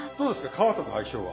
皮との相性は。